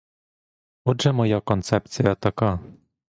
Отже моя концепція така.